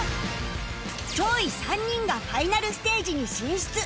上位３人がファイナルステージに進出